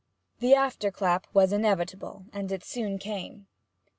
The afterclap was inevitable, and it soon came.